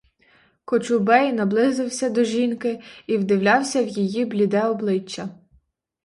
Кочубей наблизився до жінки і вдивлявся в її бліде обличчя.